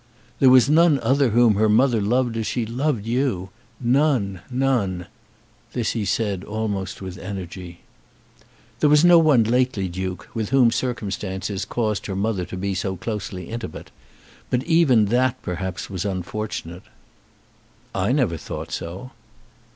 "There was none other whom her mother loved as she loved you none, none." This he said almost with energy. "There was no one lately, Duke, with whom circumstances caused her mother to be so closely intimate. But even that perhaps was unfortunate." "I never thought so."